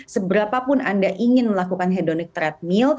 seberapapun anda ingin melakukan hedonic treadmill